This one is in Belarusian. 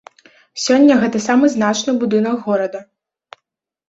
Сёння гэта самы значны будынак горада.